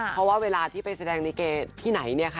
เพราะว่าเวลาที่ไปแสดงลิเกย์ที่ไหน